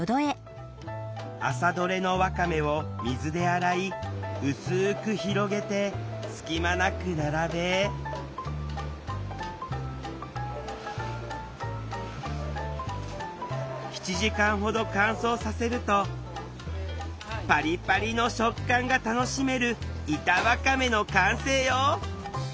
朝採れのわかめを水で洗い薄く広げて隙間なく並べ７時間ほど乾燥させるとパリパリの食感が楽しめる板わかめの完成よ！